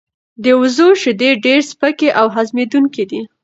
د وزو شیدې ډیر سپکې او هضمېدونکې دي.